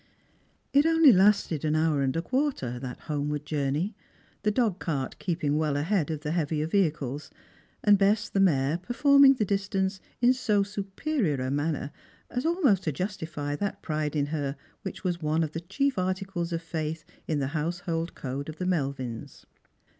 It only lasted an hour and a quarter, that homeward journey, the dogcart keeping well ahead of the heavier vehicles, and Bess the mare performing the distance in so superior a manner as almost to justify that pride in her which was one of the chief articles of faith in the household code of the Melvins.